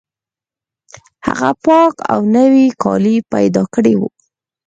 هغه پاک او نوي کالي پیدا کړي وو